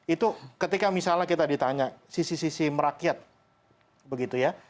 itu ketika misalnya kita ditanya sisi sisi merakyat begitu ya